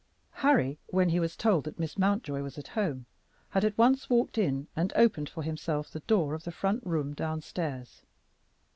Harry, when he was told that Miss Mountjoy was at home, had at once walked in and opened for himself the door of the front room downstairs.